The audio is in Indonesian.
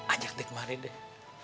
ajak deh kemari deh